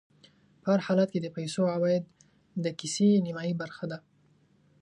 په هر حالت کې د پیسو عوايد د کيسې نیمایي برخه ده